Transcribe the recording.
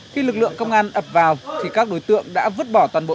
khi lực lượng công an ập vào thì các đối tượng đã vứt bỏ toàn bộ